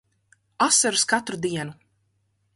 Asaras katru dienu.